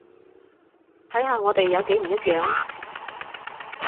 睇下我哋有幾唔一樣呀